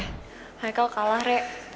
haikal kalah rey